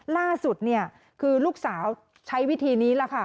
ล่าสุดเนี่ยคือลูกสาวใช้วิธีนี้ล่ะค่ะ